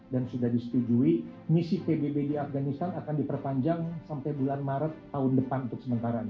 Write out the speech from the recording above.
dan sudah disetujui misi pbb di afghanistan akan diperpanjang sampai bulan maret tahun depan untuk sementara ini